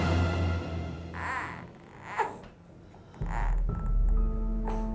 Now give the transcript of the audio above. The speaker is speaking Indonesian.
pertanyaannya lagi macam mana ini